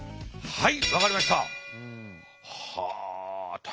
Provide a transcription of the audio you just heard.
はい。